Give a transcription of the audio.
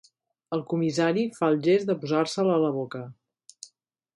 El comissari fa el gest de posar-se'l a la boca.